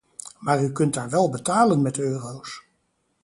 Maar u kunt daar wel betalen met euro’s.